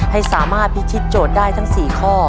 ให้สามารถพิชิตโจทย์ได้ทั้ง๔ข้อ